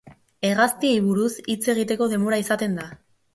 Hegaztiei buruz hitz egiteko denbora izaten da.